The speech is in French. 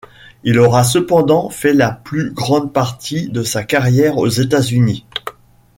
Il aura cependant fait la plus grande partie de sa carrière aux États-Unis.